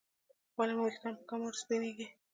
ولې مو ویښتان په کم عمر کې سپینېږي